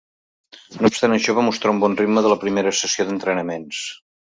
No obstant això, va mostrar un bon ritme de la primera sessió d'entrenaments.